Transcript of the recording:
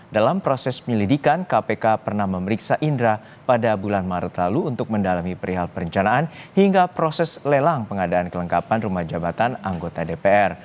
dalam proses penyelidikan kpk pernah memeriksa indra pada bulan maret lalu untuk mendalami perihal perencanaan hingga proses lelang pengadaan kelengkapan rumah jabatan anggota dpr